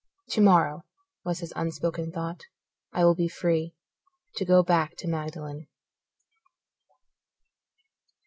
Tomorrow, was his unspoken thought, I will be free; to go back to Magdalen.